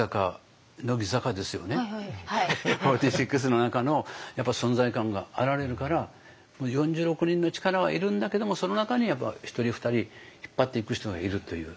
４６の中のやっぱ存在感があられるから４６人の力はいるんだけどもその中にやっぱ１人２人引っ張っていく人がいるという。